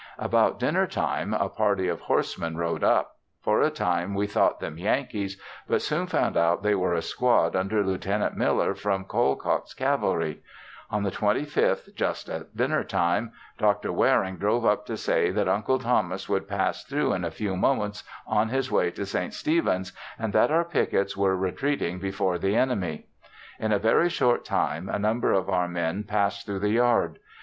About dinner time a party of horsemen rode up; for a time we thought them Yankees, but soon found out they were a squad under Lieut. Miller from Colcock's cavalry. On the 25th just at dinner time, Dr. Waring drove up to say that Uncle Thomas would pass through in a few moments on his way to St. Stephens and that our pickets were retreating before the enemy. In a very short time a number of our men passed through the yard.